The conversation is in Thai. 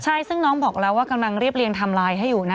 ใช่ซึ่งน้องบอกแล้วว่ากำลังเรียบเรียงไทม์ไลน์ให้อยู่นะ